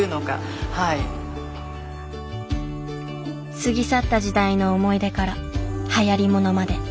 過ぎ去った時代の思い出からはやり物まで。